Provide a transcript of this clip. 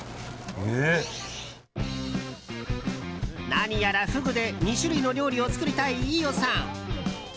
何やらフグで２種類の料理を作りたい飯尾さん。